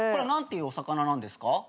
何ていうお魚なんですか？